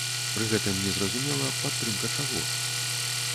Пры гэтым незразумела, падтрымка чаго?